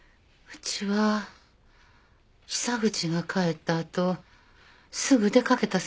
うちは久口が帰ったあとすぐ出かけたさかいに。